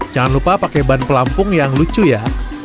jangan lupa pakai ban pelampung yang lucu ya